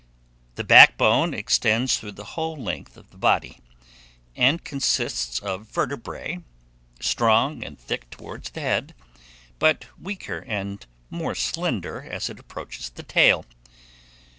The backbone extends through the whole length of the body, and consists of vertebrae, strong and thick towards the head, but weaker and more slender as it approaches the tail.